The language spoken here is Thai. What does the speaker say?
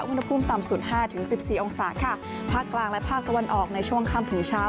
อุณหภูมิต่ำสุดห้าถึงสิบสี่องศาค่ะภาคกลางและภาคตะวันออกในช่วงค่ำถึงเช้า